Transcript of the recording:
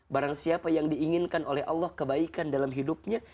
barang siapa yang diinginkan oleh allah kebaikan dalam hidupnya